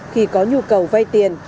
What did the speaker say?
khi có nhu cầu vay tiền